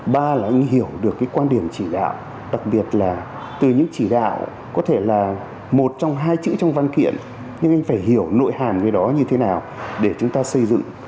ba là anh hiểu được cái quan điểm chỉ đạo đặc biệt là từ những chỉ đạo có thể là một trong hai chữ trong văn kiện nhưng anh phải hiểu nội hàm cái đó như thế nào để chúng ta xây dựng